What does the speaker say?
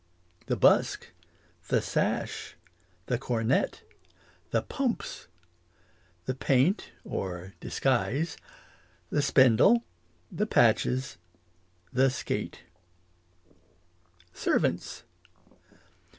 The busk The sash The cornet The pumps The paint or disguise The spindle The patches The skate Servants.